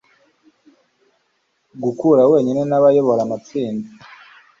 gukura wenyine, n'abayobora amatsinda